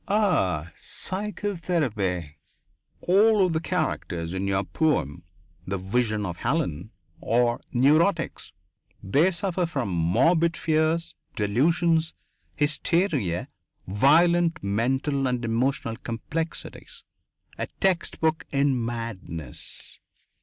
"Ah. Psychotherapy." "All of the characters in your poem, 'The Vision of Helen,' are neurotics. They suffer from morbid fears, delusions, hysteria, violent mental and emotional complexities. A text book in madness."